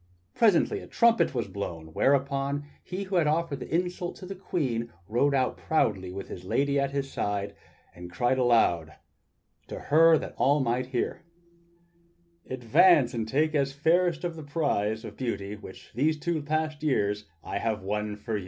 Presently a trumpet was blown, whereupon he who had offered the insult to the Queen rode out proudly with his lady at his side, and cried aloud to her that all might hear: "Advance, and take as fairest of the fair the prize of beauty which for these two years past I have won for you!"